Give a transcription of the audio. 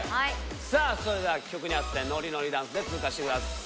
さぁそれでは曲に合わせてノリノリダンスで通過してください。